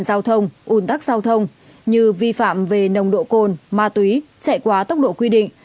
giao thông un tắc giao thông như vi phạm về nồng độ cồn ma túy chạy quá tốc độ quy định